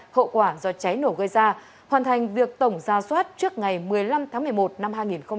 hậu quả do cháy nổ gây ra hoàn thành việc tổng ra soát trước ngày một mươi năm tháng một mươi một năm hai nghìn hai mươi